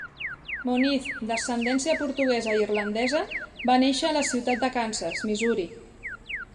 Moniz, d'ascendència portuguesa i irlandesa, va néixer a la ciutat de Kansas, Missouri.